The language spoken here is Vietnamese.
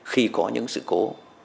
khi có những sự cố